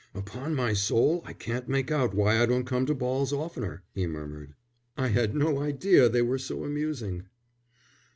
"Upon my soul, I can't make out why I don't come to balls oftener," he murmured. "I had no idea they were so amusing."